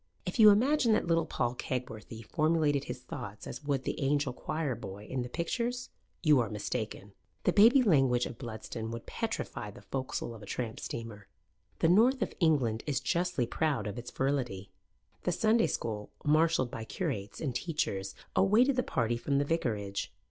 If you imagine that little Paul Kegworthy formulated his thoughts as would the angel choir boy in the pictures, you are mistaken. The baby language of Bludston would petrify the foc'sle of a tramp, steamer. The North of England is justly proud of its virility. The Sunday school, marshalled by curates and teachers, awaited the party from the vicarage.